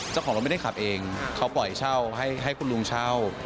เจ้าของเราไม่ได้ขับเองเขาปล่อยเช่าให้คุณลุงเช่า